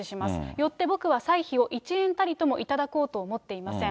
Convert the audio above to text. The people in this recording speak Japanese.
よって僕は歳費を１円たりとも頂こうと思っていません。